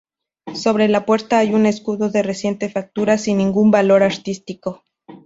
Sobre la puerta hay un escudo de reciente factura sin ningún valor artístico.